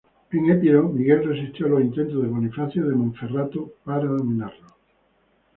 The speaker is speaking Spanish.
En Epiro, Miguel resistió a los intentos de Bonifacio de Montferrato para dominarlo.